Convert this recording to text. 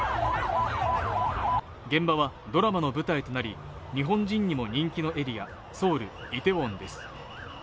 現場はドラマの舞台となり、日本人にも人気のエリア、ソウル・イテウォンです。